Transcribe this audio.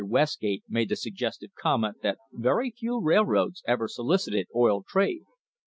Westgate made the suggestive comment that very few railroads ever solicited oil trade.